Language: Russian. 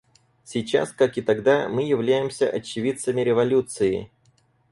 Сейчас, как и тогда, мы являемся очевидцами революции.